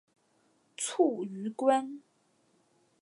卒于官。